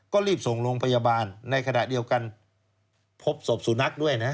ก็รีบส่งโรงพยาบาลในขณะเดียวกันพบศพสุนัขด้วยนะ